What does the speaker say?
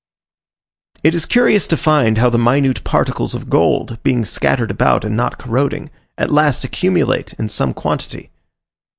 It is curious to find how the minute particles of gold, being scattered about and not corroding, at last accumulate in some quantity.